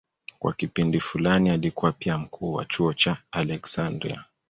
Kwa kipindi fulani alikuwa pia mkuu wa chuo cha Aleksandria.